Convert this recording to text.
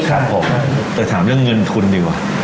ครับผมแต่ถามเรื่องเงินทุนดีกว่า